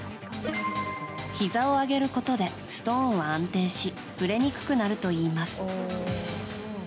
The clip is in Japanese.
ひざを上げることでストーンは安定しぶれにくくなるといいます。